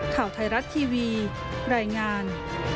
ข่าวไทยรัฐทีวีรายงาน